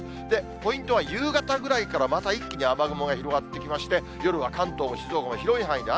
ポイントは、夕方ぐらいからまた一気に雨雲が広がってきまして、夜は関東も静岡も広い範囲で雨。